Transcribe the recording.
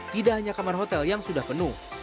tidak hanya kamar hotel yang sudah penuh